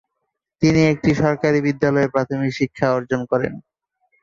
তিনি একটি সরকারি বিদ্যালয়ে প্রাথমিক শিক্ষা অর্জন করেন।